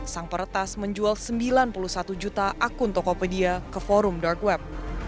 sang peretas menjual sembilan puluh satu juta akun tokopedia ke forum dark web